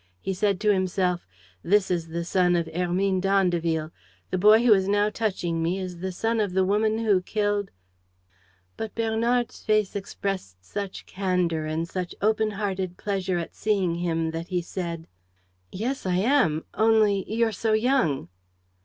He said to himself: "This is the son of Hermine d'Andeville. The boy who is now touching me is the son of the woman who killed ..." But Bernard's face expressed such candor and such open hearted pleasure at seeing him that he said: "Yes, I am. Only you're so young!"